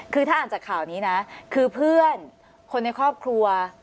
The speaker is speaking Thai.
คือถ้าอ่านจากข่าวนี้นะคือเพื่อนคนในครอบครัว